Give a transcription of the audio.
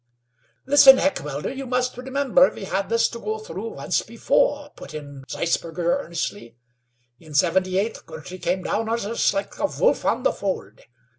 "Listen, Heckewelder, you must remember we had this to go through once before," put in Zeisberger earnestly. "In '78 Girty came down on us like a wolf on the fold.